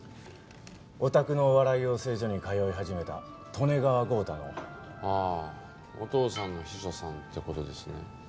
おたくのお笑い養成所に通い始めた利根川豪太の。はあお父さんの秘書さんって事ですね。